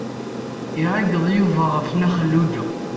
Iɛeggeḍ Yuba ɣef Nna Xelluǧa.